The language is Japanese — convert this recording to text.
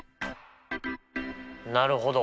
なるほど。